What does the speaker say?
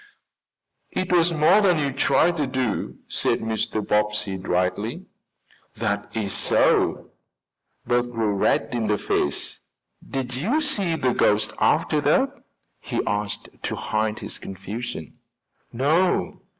"It was more than you tried to do," said Mr. Bobbsey dryly. "That is so." Bert grew red in the face. "Did you see the ghost after that?" he asked to hide his confusion. "No."